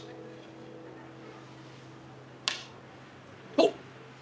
おっ！